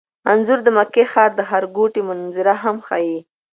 انځور د مکې ښار د ښارګوټي منظره هم ښيي.